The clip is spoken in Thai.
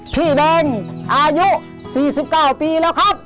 พี่แดงอายุ๔๙ปีแล้วครับ